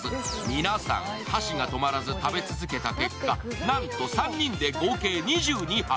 皆さん、箸が止まらず食べ続けた結果、なんと３人で合計２２杯。